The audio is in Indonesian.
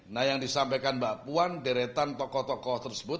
nah yang disampaikan mbak puan deretan tokoh tokoh tersebut